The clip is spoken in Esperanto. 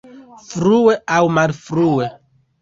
Frue aŭ malfrue!